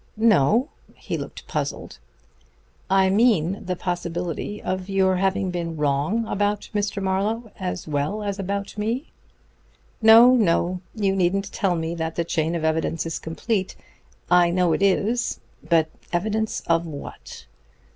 "No." He looked puzzled. "I mean the possibility of your having been wrong about Mr. Marlowe as well as about me. No, no; you needn't tell me that the chain of evidence is complete. I know it is. But evidence of what?